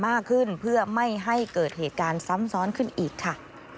มากขึ้นเพื่อไม่ให้เกิดเหตุการณ์ซ้ำซ้อนขึ้นอีกค่ะ